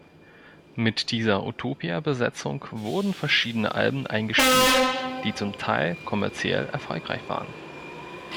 Mit dieser Utopia-Besetzung wurden verschiedene Alben eingespielt, die zum Teil kommerziell erfolgreich waren.